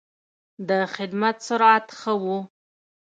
د خدمت سرعت ښه و.